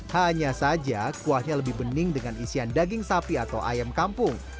hanya saja kuahnya lebih bening dengan isian daging sapi atau ayam kampung